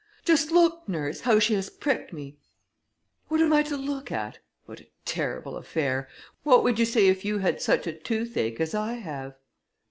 "Just look, nurse, how she has pricked me." "What am I to look at? What a terrible affair: what would you say if you had such a tooth ache as I have?"